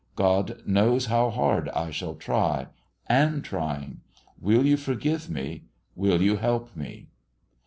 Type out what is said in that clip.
God knows how hard I shall try am trying! Will you forgive me? Will you help me?"